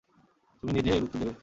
তুমি নিজেই এর উত্তর দেবে।